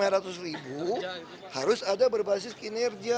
rp sembilan ratus harus ada berbasis kinerja